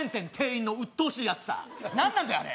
何なんだよ、あれ。